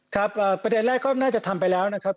ครับประเด็นแรกก็น่าจะทำไปแล้วนะครับ